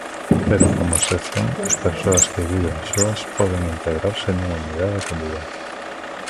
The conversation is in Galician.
Pero como excepción, as persoas que viven soas poden integrarse nunha unidade de convivencia.